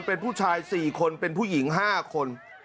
เป็นผู้ชาย๔คนเป็นผู้หญิง๕คน